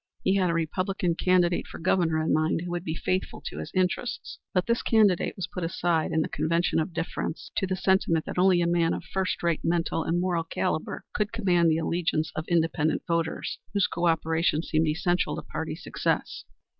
He had a Republican candidate for Governor in mind who would be faithful to his interests; but this candidate was put aside in the convention in deference to the sentiment that only a man of first rate mental and moral calibre could command the allegiance of independent voters, whose co operation seemed essential to party success.